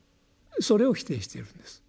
それを否定しているんです。